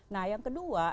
nah yang kedua